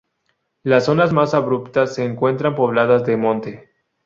Las zonas más abruptas se encuentran pobladas de monte.